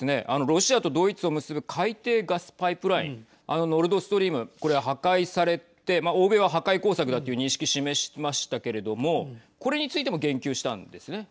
ロシアとドイツを結ぶ海底ガスパイプラインノルドストリームこれ破壊されて欧米は破壊工作だという認識示しましたけれどもこれについても言及したんですね。